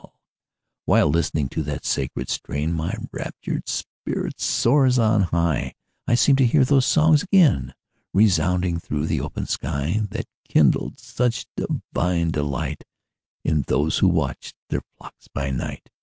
While listening to that sacred strain, My raptured spirit soars on high; I seem to hear those songs again Resounding through the open sky, That kindled such divine delight, In those who watched their flocks by night.